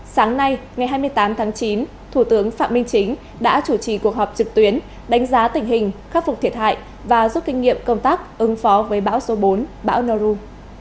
sáng nay ngày hai mươi tám tháng chín thủ tướng phạm minh chính đã chủ trì cuộc họp trực tuyến đánh giá tình hình khắc phục thiệt hại và rút kinh nghiệm công tác ứng phó với bão số bốn bão nauru